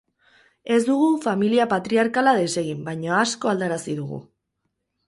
Ez dugu familia patriarkala desegin, baina asko aldarazi dugu.